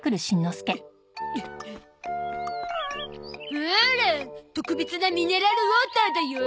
ほら特別なミネラルウォーターだよ。